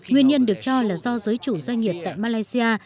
nguyên nhân được cho là do giới chủ doanh nghiệp tại malaysia